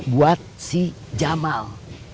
buat si jamal